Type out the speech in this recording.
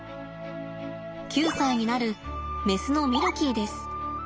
９歳になるメスのミルキーです。